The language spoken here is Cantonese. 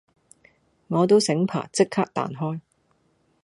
我都醒爬即刻彈開